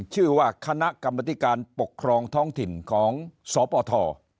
ชื่อว่าคณะกรรมธิการปกครองท้องถิ่นของสปท